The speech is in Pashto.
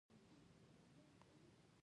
د ګلو درد لپاره باید څه شی وکاروم؟